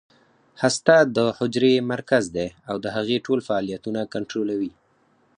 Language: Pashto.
هسته د حجرې مرکز دی او د هغې ټول فعالیتونه کنټرولوي